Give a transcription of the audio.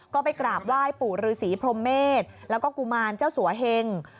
ก็ไปกราบไหว้ปู่ฤษีพรมเมษแล้วก็กุมารเจ้าสัวเฮง